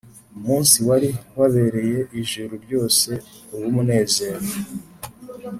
umunsi wari wabereye ijuru ryose uw’umunezero,